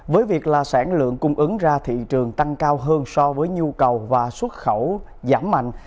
với việc là sản lượng cung ứng ra thị trường tăng cao hơn so với nhu cầu và xuất khẩu giảm mạnh